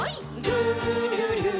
「るるる」